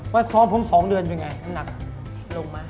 ว่าซ้อมพรุ่ง๒เดือนเป็นไง